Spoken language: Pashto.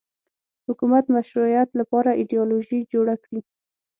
حکومت مشروعیت لپاره ایدیالوژي جوړه کړي